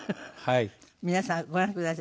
皆さんご覧ください。